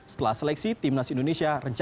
setelah seleksi tim nasi indonesia rencana